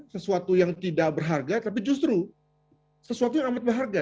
sesuatu yang tidak berharga tapi justru sesuatu yang amat berharga